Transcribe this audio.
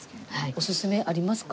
おすすめありますか？